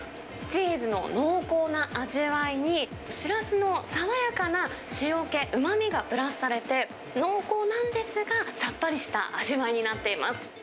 チーズの濃厚な味わいに、シラスの爽やかな塩気、うまみがプラスされて、濃厚なんですが、さっぱりした味わいになっています。